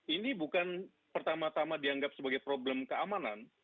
ini bukan pertama tama dianggap sebagai problem keamanan